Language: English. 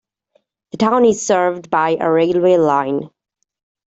The town is served by a railway line.